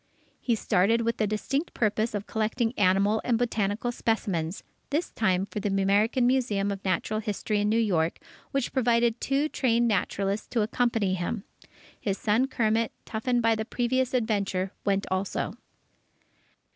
He started with the distinct purpose of collecting animal and botanical specimens, this time for the American Museum of Natural History in New York, which provided two trained naturalists to accompany him. His son Kermit, toughened by the previous adventure, went also.